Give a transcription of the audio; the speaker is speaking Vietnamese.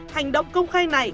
hành động công khai này